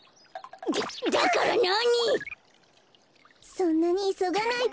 そんなにいそがないで。